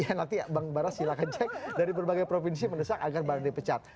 nanti bang bara silahkan cek dari berbagai provinsi mendesak agar barang dipecat